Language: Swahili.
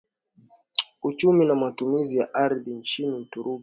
Uchumi na Matumizi ya Ardhi nchini Uturuki